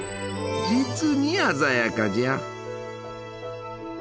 実に鮮やかじゃ。